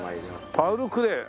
パウル・クレー。